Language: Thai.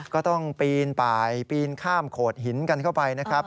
ก็ต้องปีนไปปีนข้ามโขดหินกันเข้าไปนะครับ